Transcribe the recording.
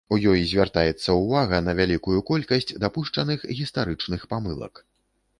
У ёй звяртаецца ўвага на вялікую колькасць дапушчаных гістарычных памылак.